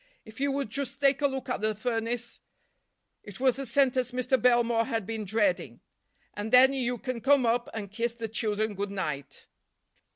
If you would just take a look at the furnace—" it was the sentence Mr. Belmore had been dreading—"and then you can come up and kiss the children good night."